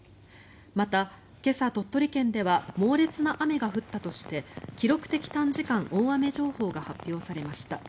また、今朝、鳥取県では猛烈な雨が降ったとして記録的短時間大雨情報が発表されました。